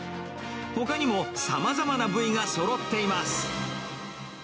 ほかにもさまざまな部位がそろっています。